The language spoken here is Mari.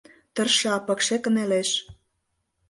Тырша, пыкше кынелеш.